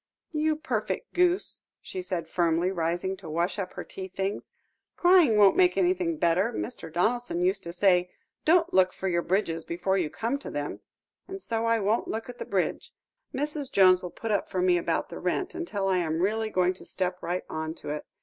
"You perfect goose," she said firmly, rising to wash up her tea things; "crying won't make anything better. Mr. Donaldson used to say, 'Don't look for your bridges before you come to them,' and so I won't look at the bridge. Mrs. Jones will put up for me about the rent, until I am really going to step right on to it.